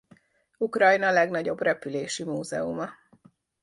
Ukrajna legnagyobb repülési múzeuma.